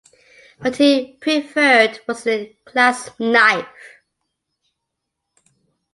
What he preferred was a clasp-knife.